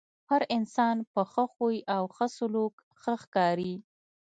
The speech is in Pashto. هر انسان په ښۀ خوی او ښۀ سلوک ښۀ ښکاري .